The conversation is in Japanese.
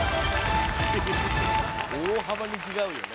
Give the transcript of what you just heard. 大幅に違うよね。